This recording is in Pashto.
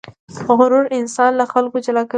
غرور انسان له خلکو جلا کوي.